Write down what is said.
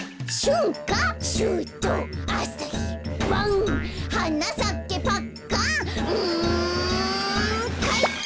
うんかいか！